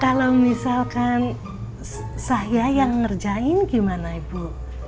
kalau misalkan saya yang ngerjain gimana ibu